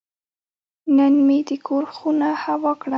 نن مې د کور خونه هوا کړه.